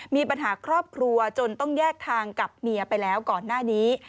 มีปัญหาครอบครัวจนต้องแยกทางกับเมียไปแล้วก่อนหน้านี้